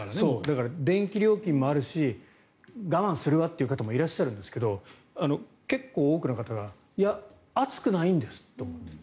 だから電気料金もあるし我慢するわという方もいらっしゃるんですけど結構多くの方がいや、暑くないんですって。